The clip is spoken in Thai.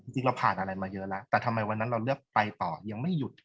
จริงเราผ่านอะไรมาเยอะแล้วแต่ทำไมวันนั้นเราเลือกไปต่อยังไม่หยุด